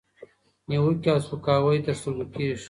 نیوکې او سپکاوي تر سترګو کېږي،